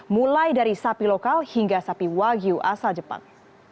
mulai dari sapi lokal hingga sapi wagyu asal jepang